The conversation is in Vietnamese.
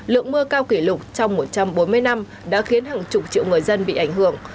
lượng mưa cao kỷ lục trong một trăm bốn mươi năm đã khiến hàng chục triệu người dân bị ảnh hưởng